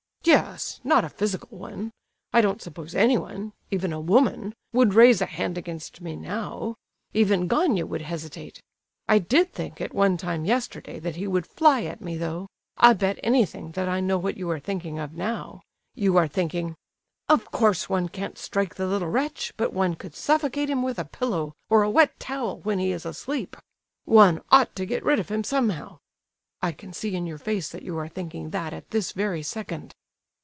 "Yes—not a physical one! I don't suppose anyone—even a woman—would raise a hand against me now. Even Gania would hesitate! I did think at one time yesterday, that he would fly at me, though. I bet anything that I know what you are thinking of now! You are thinking: 'Of course one can't strike the little wretch, but one could suffocate him with a pillow, or a wet towel, when he is asleep! One ought to get rid of him somehow.' I can see in your face that you are thinking that at this very second."